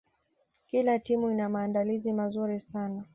kila timu ina maandalizi mazuri sana